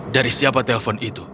dari siapa telpon itu